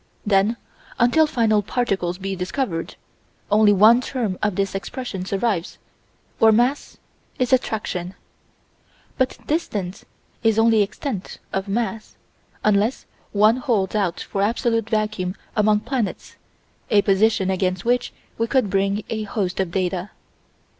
Then, until final particles be discovered, only one term of this expression survives, or mass is attraction. But distance is only extent of mass, unless one holds out for absolute vacuum among planets, a position against which we could bring a host of data.